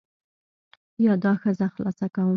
یا دا ښځه خلاصه کوم.